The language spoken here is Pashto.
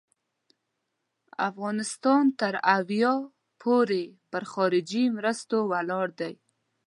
افغانستان تر اویا پوري پر خارجي مرستو ولاړ دی.